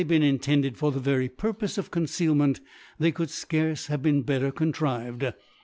intended for the very Purpofe of Conceal ment, they could fcarce have been better contrived.